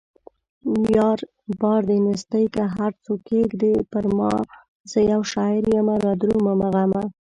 بار د نيستۍ که هر څو کښېږدې پرما زه يو شاعر يمه رادرومه غمه